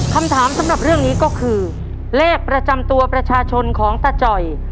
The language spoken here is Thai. คำถามสำหรับเรื่องนี้ก็คือเลขประจำตัวประชาชนของตาจ่อย